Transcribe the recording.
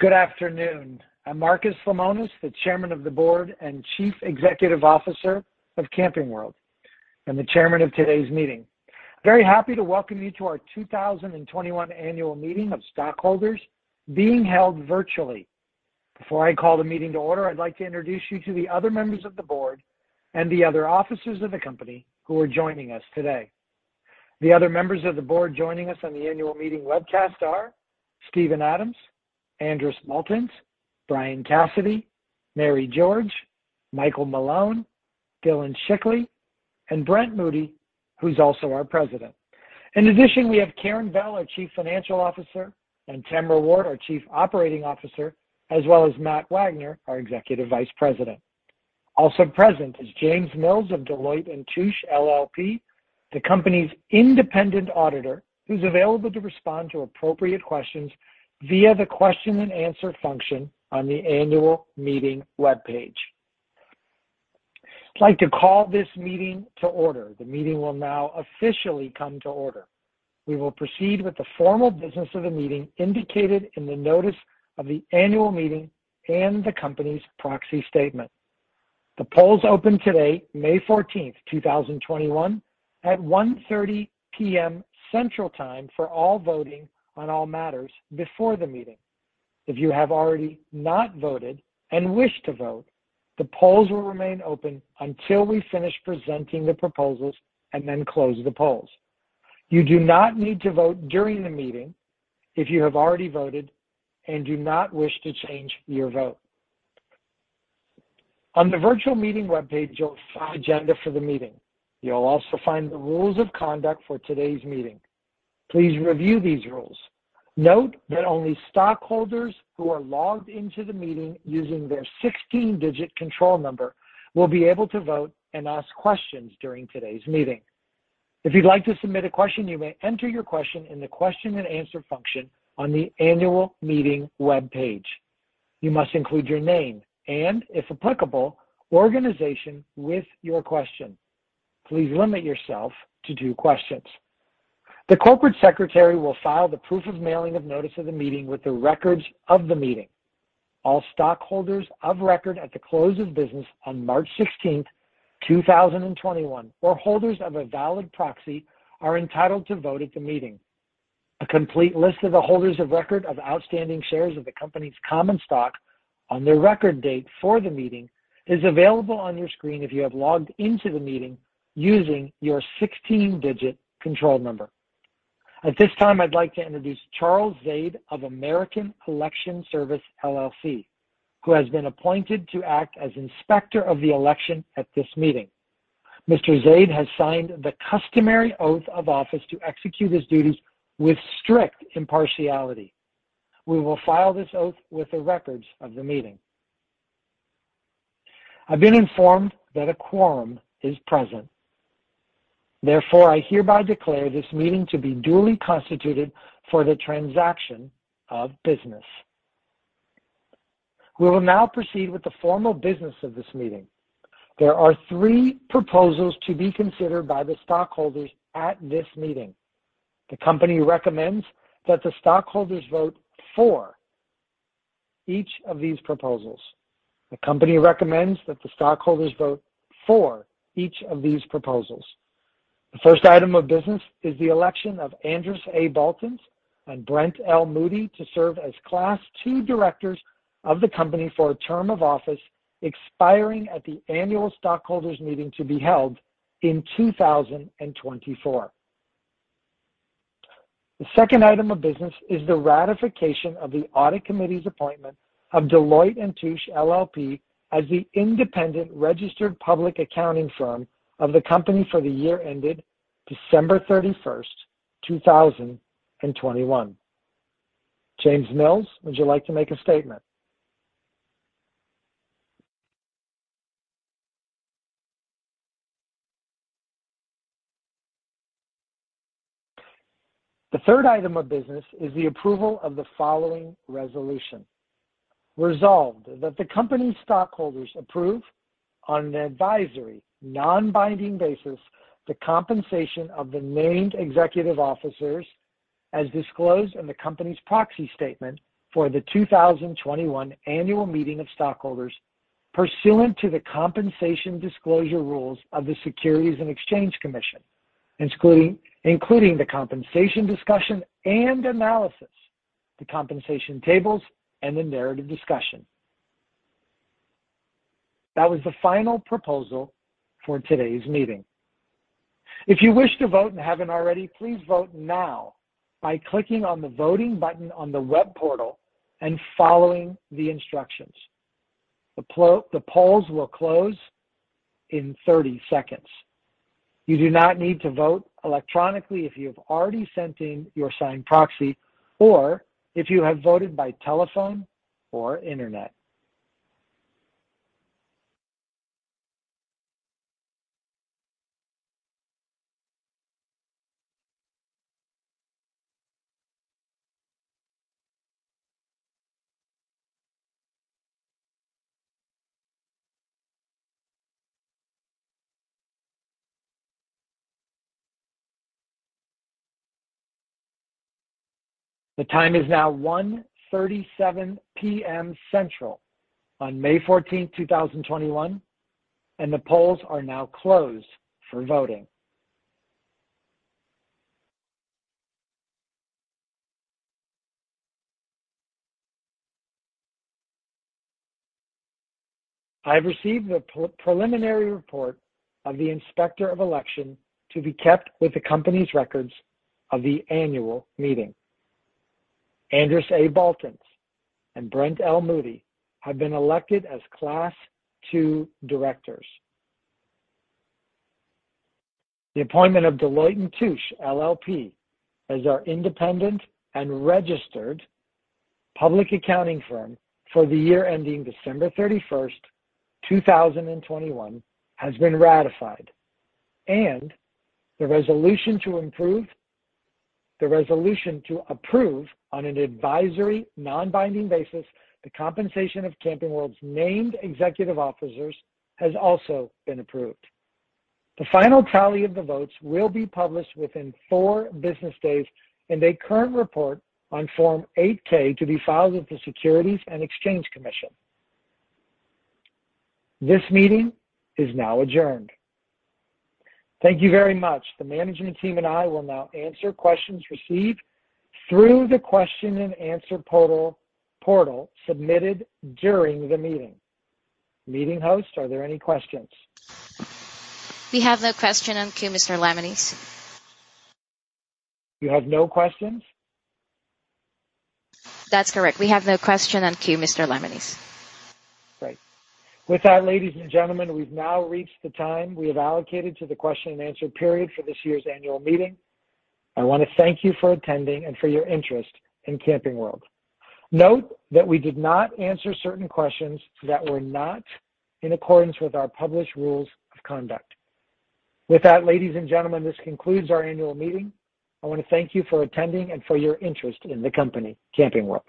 Good afternoon. I'm Marcus Lemonis, the Chairman of the Board and Chief Executive Officer of Camping World, and the chairman of today's meeting. Very happy to welcome you to our 2021 Annual Meeting of Stockholders being held virtually. Before I call the meeting to order, I'd like to introduce you to the other members of the board and the other officers of the company who are joining us today. The other members of the board joining us on the annual meeting webcast are Stephen Adams, Andris Baltins, Brian Cassidy, Mary J. George, Michael P. Malone, K. Dillon Schickli, and Brent L. Moody, who's also our president. In addition, we have Karin Bell, our Chief Financial Officer, and Tamara Ward, our Chief Operating Officer, as well as Matthew Wagner, our Executive Vice President. Also present is James Mills of Deloitte & Touche, LLP, the company's independent auditor, who's available to respond to appropriate questions via the question and answer function on the annual meeting webpage. I'd like to call this meeting to order. The meeting will now officially come to order. We will proceed with the formal business of the meeting indicated in the notice of the annual meeting and the company's proxy statement. The polls opened today, May 14th, 2021, at 1:30 P.M. Central Time for all voting on all matters before the meeting. If you have already not voted and wish to vote, the polls will remain open until we finish presenting the proposals and then close the polls. You do not need to vote during the meeting if you have already voted and do not wish to change your vote. On the virtual meeting webpage, you'll find the agenda for the meeting. You'll also find the rules of conduct for today's meeting. Please review these rules. Note that only stockholders who are logged into the meeting using their 16-digit control number will be able to vote and ask questions during today's meeting. If you'd like to submit a question, you may enter your question in the question and answer function on the annual meeting webpage. You must include your name and, if applicable, organization with your question. Please limit yourself to two questions. The corporate secretary will file the proof of mailing of notice of the meeting with the records of the meeting. All stockholders of record at the close of business on March 16th, 2021, or holders of a valid proxy, are entitled to vote at the meeting. A complete list of the holders of record of outstanding shares of the company's common stock on the record date for the meeting is available on your screen if you have logged into the meeting using your 16-digit control number. At this time, I'd like to introduce Charles Zaid of American Election Services, LLC, who has been appointed to act as Inspector of Election at this meeting. Mr. Zaid has signed the customary oath of office to execute his duties with strict impartiality. We will file this oath with the records of the meeting. I've been informed that a quorum is present. Therefore, I hereby declare this meeting to be duly constituted for the transaction of business. We will now proceed with the formal business of this meeting. There are three proposals to be considered by the stockholders at this meeting. The company recommends that the stockholders vote for each of these proposals. The company recommends that the stockholders vote for each of these proposals. The first item of business is the election of Andris Baltins and Brent L. Moody to serve as Class II directors of the company for a term of office expiring at the annual stockholders' meeting to be held in 2024. The second item of business is the ratification of the Audit Committee's appointment of Deloitte & Touche, LLP, as the independent registered public accounting firm of the company for the year ended December 31st, 2021. Jim Mills, would you like to make a statement? The third item of business is the approval of the following resolution. Resolved, that the company's stockholders approve, on an advisory, non-binding basis, the compensation of the named executive officers as disclosed in the company's proxy statement for the 2021 Annual Meeting of Stockholders pursuant to the compensation disclosure rules of the Securities and Exchange Commission, including the compensation discussion and analysis, the compensation tables, and the narrative discussion. That was the final proposal for today's meeting. If you wish to vote and haven't already, please vote now by clicking on the voting button on the web portal and following the instructions. The polls will close in 30 seconds. You do not need to vote electronically if you have already sent in your signed proxy or if you have voted by telephone or internet. The time is now 1:37 P.M. Central on May 14, 2021, and the polls are now closed for voting. I have received the preliminary report of the Inspector of Election to be kept with the company's records of the annual meeting. Andris A. Baltins and Brent L. Moody have been elected as Class II directors. The appointment of Deloitte & Touche, LLP as our independent and registered public accounting firm for the year ending December 31st, 2021, has been ratified, and the resolution to approve on an advisory, non-binding basis the compensation of Camping World's named executive officers has also been approved. The final tally of the votes will be published within four business days in a current report on Form 8-K to be filed with the Securities and Exchange Commission. This meeting is now adjourned. Thank you very much. The management team and I will now answer questions received through the question and answer portal submitted during the meeting. Meeting host, are there any questions? We have no question in queue, Mr. Lemonis. You have no questions? That's correct. We have no question in queue, Mr. Lemonis. Great. With that, ladies and gentlemen, we've now reached the time we have allocated to the question and answer period for this year's annual meeting. I want to thank you for attending and for your interest in Camping World. Note that we did not answer certain questions that were not in accordance with our published rules of conduct. With that, ladies and gentlemen, this concludes our annual meeting. I want to thank you for attending and for your interest in the company, Camping World.